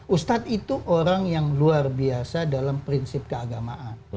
ustadz itu orang yang luar biasa dalam prinsip keagamaan